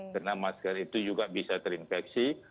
karena masker itu juga bisa terinfeksi